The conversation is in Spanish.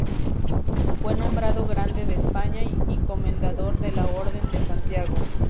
Fue nombrado grande de España y comendador de la Orden de Santiago.